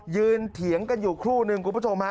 เถียงกันอยู่ครู่นึงคุณผู้ชมฮะ